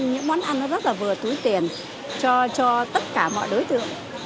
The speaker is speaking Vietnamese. những món ăn nó rất là vừa túi tiền cho tất cả mọi đối tượng